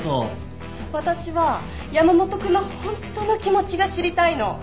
私は山本君のホントの気持ちが知りたいの。